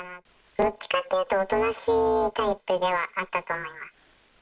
どっちかっていうと、おとなしいタイプではあったと思います。